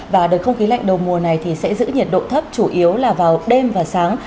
và đợt không khí lạnh đầu mùa này thì sẽ giữ nhiệt độ thấp chủ yếu là vào đêm và sáng